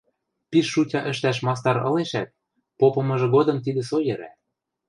Пиш шутя ӹштӓш мастар ылешӓт, попымыжы годым тидӹ со йӹрӓ.